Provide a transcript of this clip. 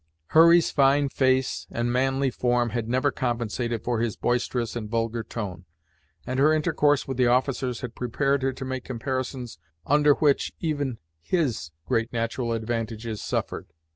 Hurry's fine face and manly form had never compensated for his boisterous and vulgar tone, and her intercourse with the officers had prepared her to make comparisons under which even his great natural advantages suffered.